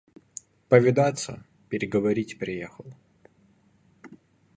Повидаться, переговорить приехал.